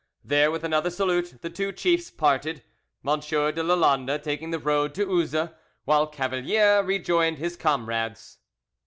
There, with another salute, the two chiefs parted, M. de Lalande taking the road to Uzes, while Cavalier rejoined his comrades.